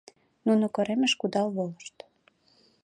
Нуно коремыш кудал волышт.